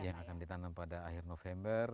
yang akan ditanam pada akhir november